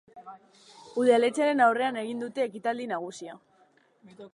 Udaletxearen aurrean egin dute ekitaldi nagusia.